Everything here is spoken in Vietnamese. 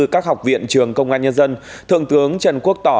các học viện trường công an nhân dân thượng tướng trần quốc tỏ